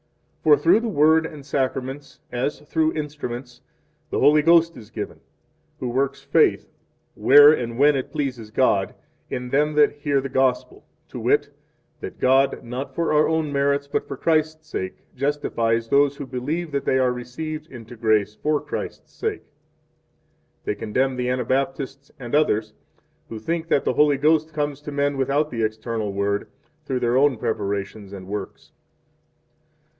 For through the Word and Sacraments, as through instruments, 2 the Holy Ghost is given, who works faith; where and when it pleases God, in them that hear 3 the Gospel, to wit, that God, not for our own merits, but for Christ's sake, justifies those who believe that they are received into grace for Christ's sake. 4 They condemn the Anabaptists and others who think that the Holy Ghost comes to men without the external Word, through their own preparations and works.